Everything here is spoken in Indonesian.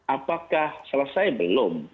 apakah selesai belum